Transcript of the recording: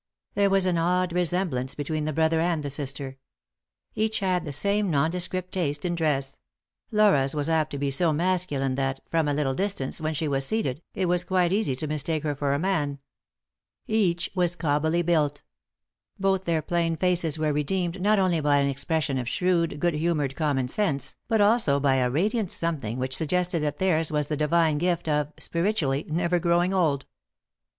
There was an odd resemblance between the brother and the sister. Each had the same nondescript taste in dress — Laura's was apt to be so masculine that, from a little distance, when she was seated, it was quite easy to mistake her for a man. Each was cob bily built. Both their plain faces were redeemed, not only by an expression of shrewd, good humoured, common sense, but also by a radiant something which suggested that theirs was the divine gift of, spiritually, never growing old.